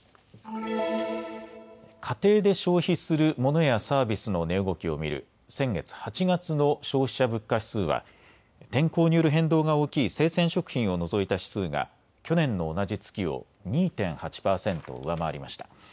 家庭で消費するモノやサービスの値動きを見る先月８月の消費者物価指数は天候による変動が大きい生鮮食品を除いた指数が去年の同じ月を２．８％上回りました。